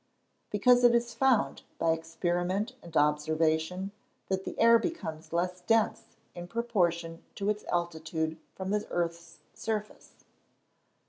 _ Because it is found, by experiment and observation, that the air becomes less dense in proportion to its altitude from the earth's surface.